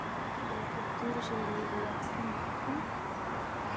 د تور ژیړي واکسین وکړم؟